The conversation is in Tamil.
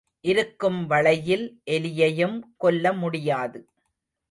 இருக்கும் வளையில் எலியையும் கொல்ல முடியாது.